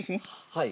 はい。